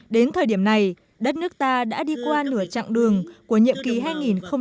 đến thời điểm này đất nước ta đã đi qua nửa chặng đường của nhiệm kỳ hai nghìn một mươi năm hai nghìn hai mươi